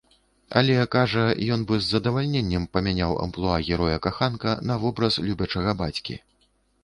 Але, кажа, ён бы з задавальненнем памяняў амплуа героя-каханка на вобраз любячага бацькі.